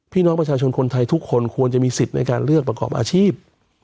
พี่น้องประชาชนคนไทยทุกคนควรจะมีสิทธิ์ในการเลือกประกอบอาชีพ